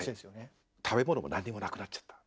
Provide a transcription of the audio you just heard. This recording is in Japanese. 食べ物も何もなくなっちゃった。